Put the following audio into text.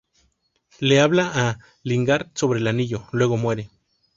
Le habla a Lingard sobre el anillo, luego muere.